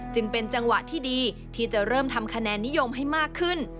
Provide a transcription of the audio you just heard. จึงเป็นจังหวะที่ดีที่จะเริ่มทำคะแนนนิยมให้มากขึ้น